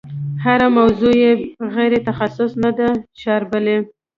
هره موضوع یې غیر تخصصي نه ده شاربلې.